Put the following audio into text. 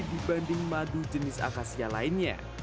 dibanding madu jenis akasia lainnya